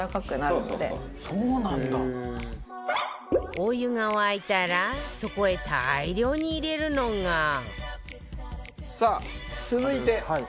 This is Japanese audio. お湯が沸いたらそこへ大量に入れるのがさあ続いて。